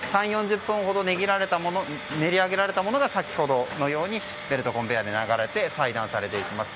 ３０４０分ほど練り上げられたものが先ほどのようにベルトコンベヤーで流れて、裁断されていきます。